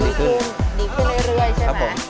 ดีขึ้นเรื่อยใช่ไหม